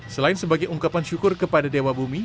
selain sebagai ungkapan syukur kepada dewa bumi